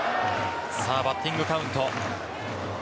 バッティングカウント。